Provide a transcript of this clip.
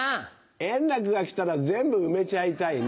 円楽が来たら全部埋めちゃいたいね。